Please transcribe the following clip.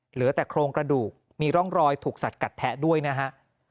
เหลือแต่โครงกระดูกมีร่องรอยถูกสัดกัดแทะด้วยนะฮะ